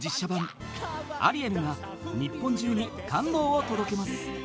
［アリエルが日本中に感動を届けます］